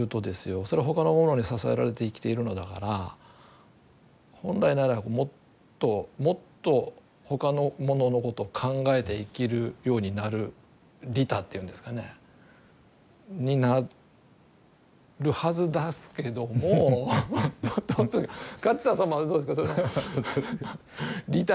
それは他のものに支えられて生きているのだから本来ならもっともっと他のもののことを考えて生きるようになる利他っていうんですかねになるはずですけども梶田様はどうですかその利他になれますか。